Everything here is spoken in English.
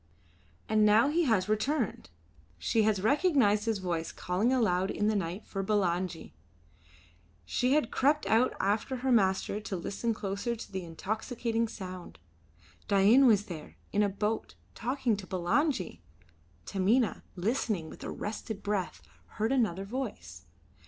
And now he had returned. She had recognised his voice calling aloud in the night for Bulangi. She had crept out after her master to listen closer to the intoxicating sound. Dain was there, in a boat, talking to Bulangi. Taminah, listening with arrested breath, heard another voice.